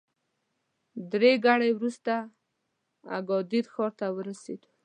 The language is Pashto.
درې ګړۍ وروسته اګادیر ښار ته ورسېدو.